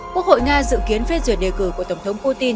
quốc hội nga dự kiến phê duyệt đề cử của tổng thống putin